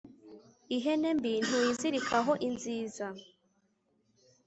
ihene mbi ntuyizirikaho inziza